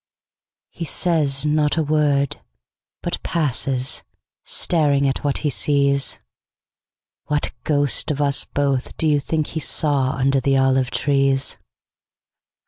He says not a word, but passes, Staring at what he sees. What ghost of us both do you think he sawUnder the olive trees?